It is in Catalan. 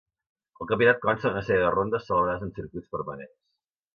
El campionat consta d'una sèrie de rondes celebrades en circuits permanents.